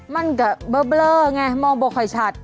มันกะบลับเลอร์ไงมองไม่ค่อยชัด